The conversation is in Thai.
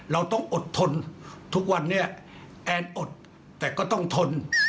เราต้องอดทนทุกวันนี้แอนอดแต่ก็ต้องทน